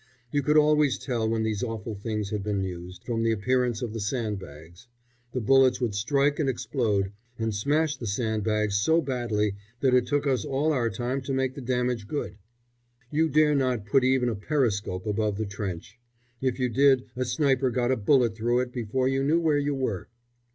You could always tell when these awful things had been used, from the appearance of the sandbags. The bullets would strike and explode, and smash the sandbags so badly that it took us all our time to make the damage good. You dare not put even a periscope above the trench; if you did a sniper got a bullet through it before you knew where you were.